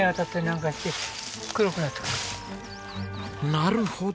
なるほど。